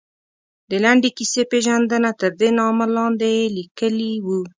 د لنډې کیسې پېژندنه، تردې نامه لاندې یې لیکلي وو.